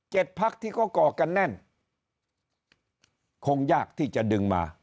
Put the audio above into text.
พักที่เขาก่อกันแน่นคงยากที่จะดึงมา